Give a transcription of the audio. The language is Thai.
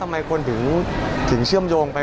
ทำไมคนถึงเชื่อมโยงไป